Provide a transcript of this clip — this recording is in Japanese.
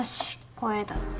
声だって。